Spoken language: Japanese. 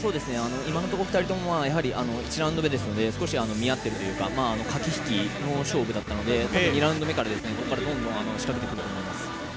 今のところ２人とも１ラウンド目ですので少し見合っているというか駆け引きの勝負だったので２ラウンド目から仕掛けてくると思います。